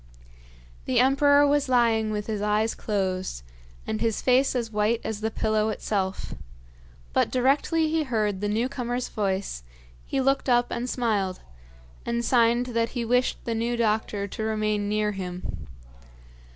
The emperor was lying with his eyes closed, and his face as white as the pillow itself; but directly he heard the new comer's voice, he looked up and smiled, and signed that he wished the new doctor to remain near him.